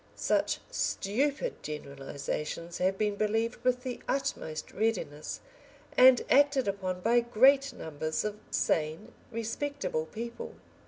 Such stupid generalisations have been believed with the utmost readiness, and acted upon by great numbers of sane, respectable people.